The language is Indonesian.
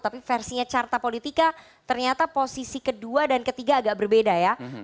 tapi versinya carta politika ternyata posisi kedua dan ketiga agak berbeda ya